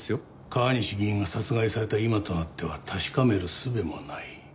川西議員が殺害された今となっては確かめるすべもない。